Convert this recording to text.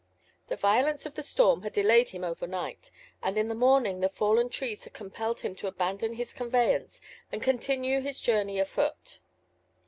The violence of the storm had delayed him over night, and in the morning the fallen trees had compelled him to abandon his conveyance and continue his journey afoot.